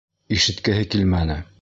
Ишеткеһе килмәне.